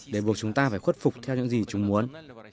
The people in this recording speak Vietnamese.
để buộc chúng ta phải khuất phục theo những gì chúng muốn